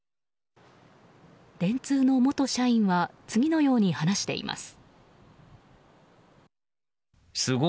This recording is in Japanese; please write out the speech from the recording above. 電通の元社員は次のように話しています。